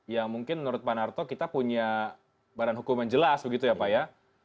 ya mungkin menurut pak narto kita punya badan hukum yang jelas begitu ya pak ya